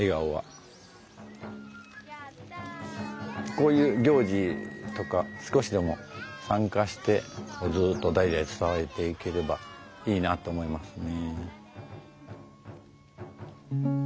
こういう行事とか少しでも参加してずっと代々伝わっていければいいなと思いますね。